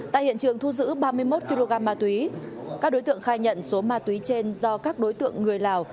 tại hiện trường thu giữ ba mươi một kg ma túy các đối tượng khai nhận số ma túy trên do các đối tượng người lào